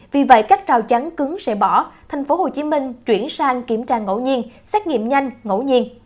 vì vậy các rào chắn cứng sẽ bỏ tp hcm chuyển sang kiểm tra ngẫu nhiên xét nghiệm nhanh ngẫu nhiên